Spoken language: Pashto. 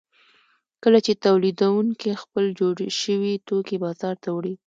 کله چې تولیدونکي خپل جوړ شوي توکي بازار ته وړي